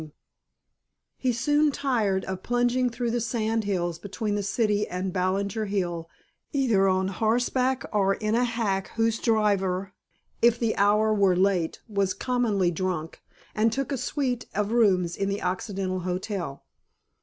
VIII He soon tired of plunging through the sand hills between the city and Ballinger Hill either on horseback or in a hack whose driver, if the hour were late, was commonly drunk; and took a suite of rooms in the Occidental Hotel.